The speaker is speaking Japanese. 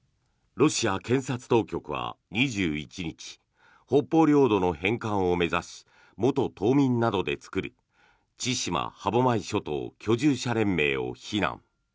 ロシア検察当局は２１日北方領土の返還を目指し元島民などで作る千島歯舞諸島居住者連盟を非難。